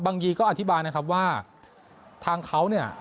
ยีก็อธิบายนะครับว่าทางเขาเนี่ย